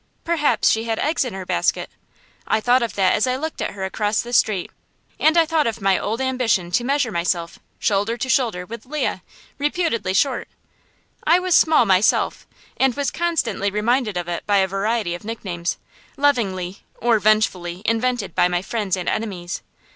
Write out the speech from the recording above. Perhaps she had eggs in her basket, I thought of that as I looked at her across the street; and I thought of my old ambition to measure myself, shoulder to shoulder, with Leah, reputedly short. I was small myself, and was constantly reminded of it by a variety of nicknames, lovingly or vengefully invented by my friends and enemies.